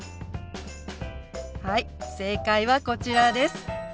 はい正解はこちらです。